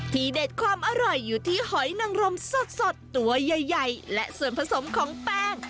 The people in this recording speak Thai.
เด็ดความอร่อยอยู่ที่หอยนังรมสดตัวใหญ่และส่วนผสมของแป้ง